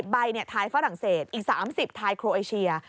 ใบทายฝรั่งเศสอีก๓๐ไทยโครเอเชีย